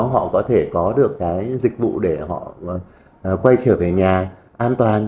họ có thể có được cái dịch vụ để họ quay trở về nhà an toàn